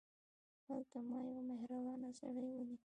هلته ما یو مهربان سړی ولید.